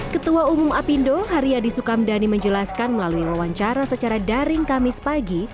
ketua umum apindo haryadi sukamdhani menjelaskan melalui wawancara secara daring kamis pagi